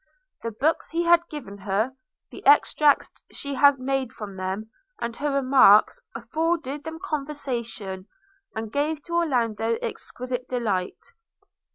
The books he had given her, the extracts she had made from them, and her remarks, afforded them conversation, and gave to Orlando exquisite delight.